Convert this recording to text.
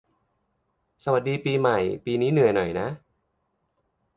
สวัสดีปีใหม่ ปีนี้เหนื่อยหน่อยนะ